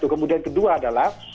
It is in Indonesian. kemudian kedua adalah